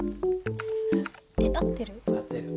合ってる？